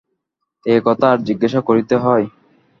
এ-কথা আর জিজ্ঞাসা করিতে হয়?